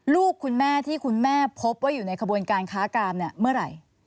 ลูกคุณแม่ที่คุณแม่พบว่าอยู่ในขบวนการค้ากามเนี่ยเมื่อไหร่